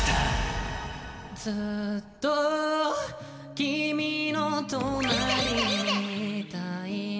「ずっと君の隣に居たいんだ」